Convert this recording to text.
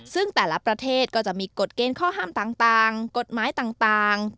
ซึ่งแต่ละประเทศก็จะมีกฎเกณฑ์ข้อห้ามต่างกฎหมายต่าง